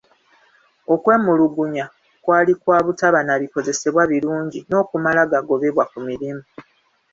Okwemulugunya kwali kwa butaba na bikozesebwa birungi n'okumala gagobebwa ku mirimu.